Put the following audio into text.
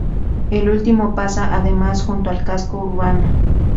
El último pasa, además, junto al casco urbano.